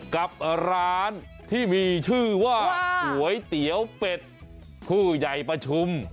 กับร้านที่มีชื่อว่าก๋วยเตี๋ยวเป็ดผู้ใหญ่ประชุม